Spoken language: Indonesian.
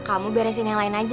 kamu beresin yang lain aja